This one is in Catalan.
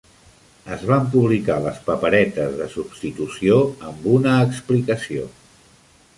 Es van publicar les paperetes de substitució amb una explicació.